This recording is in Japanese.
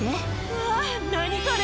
うわ何これ！